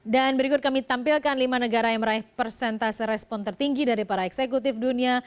dan berikut kami tampilkan lima negara yang meraih persentase respon tertinggi dari para eksekutif dunia